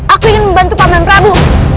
aku ingin membantu paman rabu